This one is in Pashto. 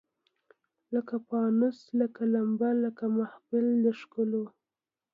لکه پانوس لکه لمبه لکه محفل د ښکلیو